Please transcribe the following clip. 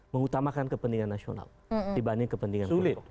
mengutamakan kepentingan nasional dibanding kepentingan politik